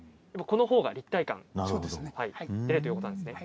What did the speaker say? このほうが立体感が出るということなんです。